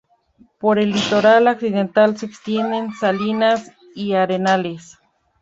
Por el litoral occidental se extienden salinas y arenales.